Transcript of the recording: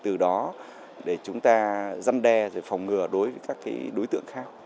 từ đó để chúng ta giăn đe phòng ngừa đối với các đối tượng khác